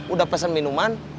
udah pesen minuman